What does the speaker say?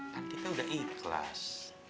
nanti kan udah ikhlas